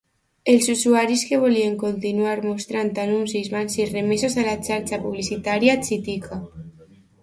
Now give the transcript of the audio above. Els usuaris que volien continuar mostrant anuncis van ser remesos a la xarxa publicitària Chitika.